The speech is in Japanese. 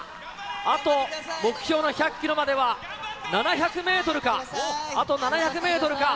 あと目標の１００キロまでは７００メートルか、あと７００メートルか。